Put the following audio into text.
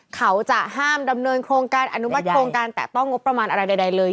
เขาจะห้ามดำเนินโครงการอนุมัติโครงการแตะต้องงบประมาณอะไรใดเลย